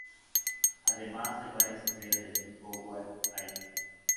Además, hay varias estrellas del tipo Wolf-Rayet.